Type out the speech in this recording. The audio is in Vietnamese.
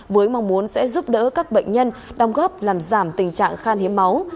với mong muốn sẽ giúp đỡ các bệnh nhân đồng góp làm giảm tình trạng khan hiếm máu